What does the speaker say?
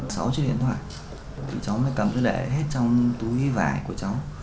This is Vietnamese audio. có sáu chiếc điện thoại thì cháu mới cầm để hết trong túi vải của cháu